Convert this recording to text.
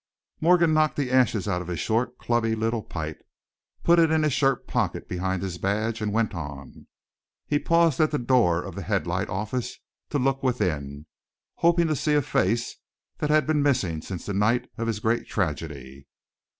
Morgan knocked the ashes out of his short, clubby little pipe, put it in his shirt pocket behind his badge, and went on. He paused at the door of the Headlight office to look within, hoping to see a face that had been missing since the night of his great tragedy.